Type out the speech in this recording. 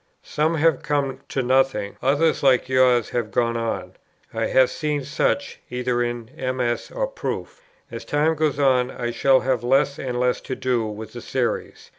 Some have come to nothing; others like yours have gone on. I have seen such, either in MS. or Proof. As time goes on, I shall have less and less to do with the Series.